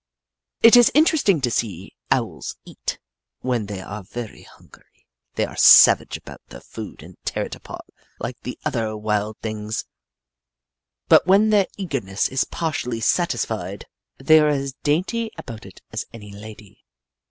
It is interesting to see Owls eat. When they are very hungry, they are savage about their food and tear it apart like the other wild things, but when their eagerness is partially satisfied, they are as dainty about it as any lady.